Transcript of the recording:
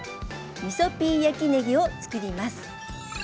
みそピー焼きねぎをつくります。